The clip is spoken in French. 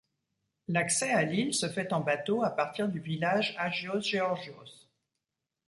L'accès à l'île se fait en bateau à partir du village Agios Georgios.